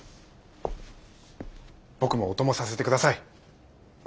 僕もお供させて下さい。